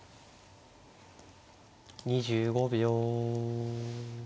２５秒。